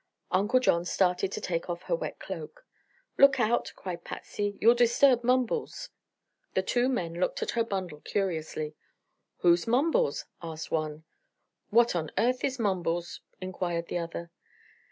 Uncle John started to take off her wet cloak. "Look out!" cried Patsy; "you'll disturb Mumbles." The two men looked at her bundle curiously. "Who's Mumbles?" asked one. "What on earth is Mumbles?" inquired the other.